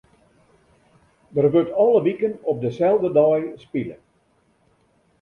Der wurdt alle wiken op deselde dei spile.